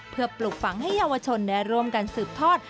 เพื่อปลูกฝังให้เยาวชนได้ร่วมกันสืบทอด